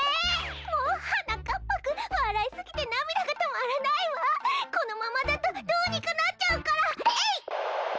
もうはなかっぱくんわらいすぎてなみだがとまらないわこのままだとどうにかなっちゃうからえいっ！